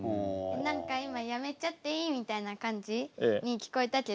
何か今「やめちゃっていい」みたいな感じに聞こえたけど。